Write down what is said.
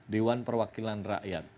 dewan perwakilan rakyat